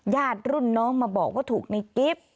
ญาติรุ่นน้องมาบอกว่าถูกในกิฟต์